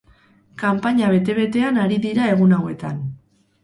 Kanpaina bete-betean ari dira egun hauetan.